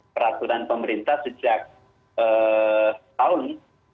peraturan pemerintah sejak tahun